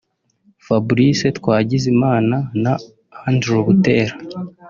Fabrice Twagizimana na Andrew Buteera